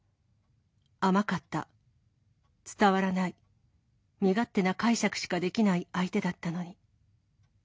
甘かった、伝わらない、身勝手な解釈しかできない相手だったのに。